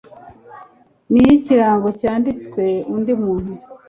n iy ikirango cyanditswe undi muntu